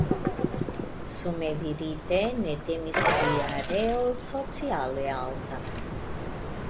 Sume dirite ne temis pri areo sociale alta.